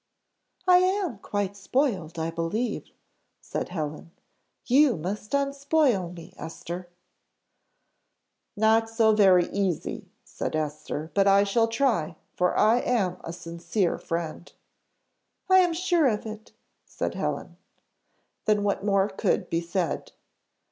"I am quite spoiled, I believe," said Helen; "you must unspoil me, Esther." "Not so very easy," said Esther; "but I shall try, for I am a sincere friend." "I am sure of it," said Helen. Then what more could be said?